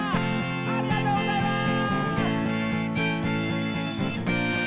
ありがとうございます。